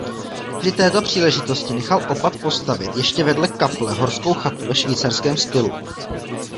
Při této příležitosti nechal opat postavit ještě vedle kaple horskou chatu ve švýcarském stylu.